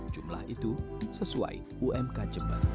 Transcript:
jumlah itu sesuai umk jember